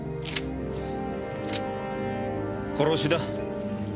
殺しだ。